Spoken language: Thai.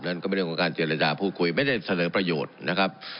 นั่นก็เป็นเรื่องของการเจรจาพูดคุยไม่ได้เสนอประโยชน์นะครับ